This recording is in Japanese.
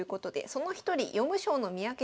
その一人読む将の三宅さん